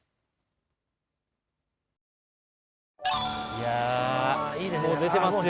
いやもう出てますよ。